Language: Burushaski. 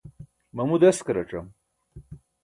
mamu deskaracam